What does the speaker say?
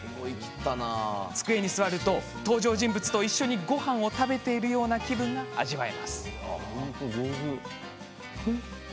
机に座ると、登場人物と一緒にごはんを食べているような気分が味わえます。